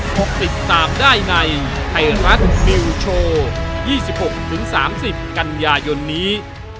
ติดตามได้ในไทยรัฐนิวโชว์๒๖๓๐กันยายนนี้